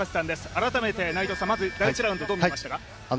改めてまず第１ラウンド、どう見ましたか。